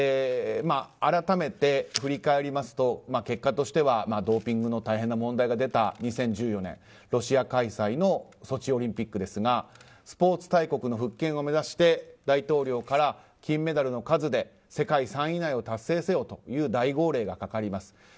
改めて振り返りますと結果としてはドーピングの大変な問題が出た２０１４年、ロシア開催のソチオリンピックですがスポーツ大国の復権を目指して大統領から金メダルの数で世界３位以内を達成せよという大号令がかかります。